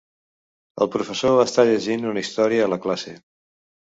El professor està llegint una història a la classe